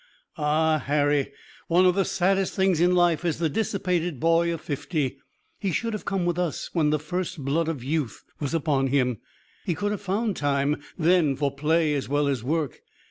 Ah! Harry, one of the saddest things in life is the dissipated boy of fifty! He should have come with us when the first blood of youth was upon him. He could have found time then for play as well as work.